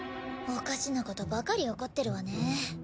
おかしなことばかり起こってるわね。